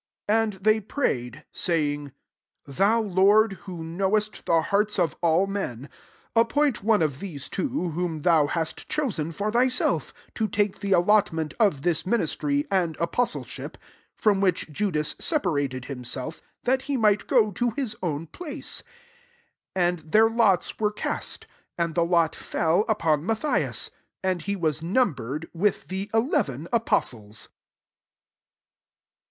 mi 24 Andfthey prayed, saying, <' Thou Lord, who knowest the hearts of all merij appoint one of these two, whom thou hast chosen for thyself, 25 Ho take the allotment of this ministry, and apostleship, from which J^u* das separated htmseff, that he might go to his own place."* 26 And their lots were cast: and the lot fell upon Matthias ; and he was numbered with the eleven apostles.